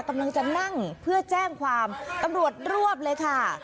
กำลังจะนั่งเพื่อแจ้งความตำรวจรวบเลยค่ะ